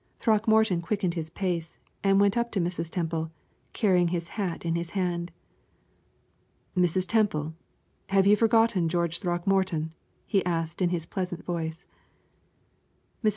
Throckmorton quickened his pace, and went up to Mrs. Temple, carrying his hat in his hand. "Mrs. Temple, have you forgotten George Throckmorton?" he asked in his pleasant voice. Mrs.